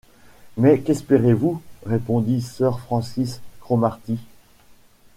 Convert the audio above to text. Mais qu’espérez-vous? répondit sir Francis Cromarty.